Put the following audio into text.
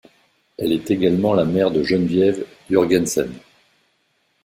Elle est également la mère de Geneviève Jurgensen.